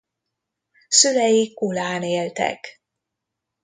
Szülei Kulán éltek.